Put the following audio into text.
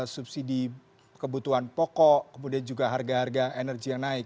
subsidi kebutuhan pokok kemudian juga harga harga energi yang naik